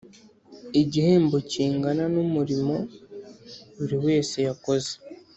Igihembo Kingana N Umurimo Buri Wese Yakoze